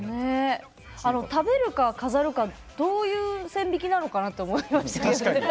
食べるか飾るかどういう線引きなのかなって思いましたけど。